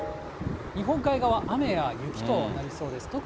日本海側、雨や雪となりそうです。